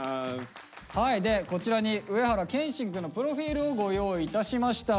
こちらに上原剣心くんのプロフィールをご用意いたしました。